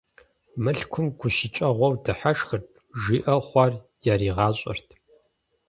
Мылъкум гущыкӀыгъуэу дыхьэшхырт, жиӀэу хъуар яригъащӀэрт.